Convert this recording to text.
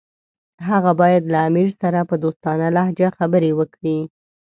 هغه باید له امیر سره په دوستانه لهجه خبرې وکړي.